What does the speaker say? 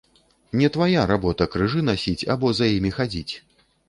Не твая работа крыжы насіць або за імі хадзіць.